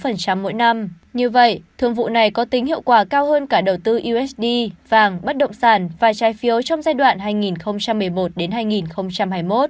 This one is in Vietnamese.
như vậy thương vụ này có tính hiệu quả cao hơn cả đầu tư usd vàng bất động sản và trái phiếu trong giai đoạn hai nghìn một mươi một hai nghìn hai mươi một